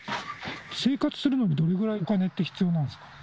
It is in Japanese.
生活するのにどれぐらい、お金って必要なんですか？